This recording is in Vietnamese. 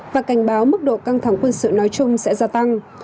và cảnh báo mức độ căng thẳng quân sự nói chung sẽ gia tăng